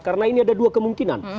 karena ini ada dua kemungkinan